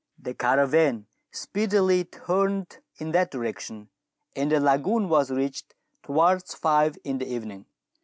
The caravan speedily turned in that direction, and the lagoon was reached towards five in the evening.